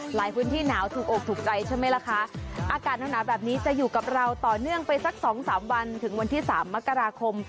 หลายพื้นที่หนาวถูกอกถูกใจใช่ไหมล่ะคะอากาศหนาวแบบนี้จะอยู่กับเราต่อเนื่องไปสักสองสามวันถึงวันที่สามมกราคม